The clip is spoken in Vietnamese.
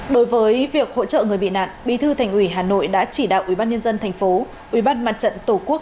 đối với việc hỗ trợ người bị nạn bí thư thành ủy hà nội đã chỉ đạo ubnd tp ubnd tổ quốc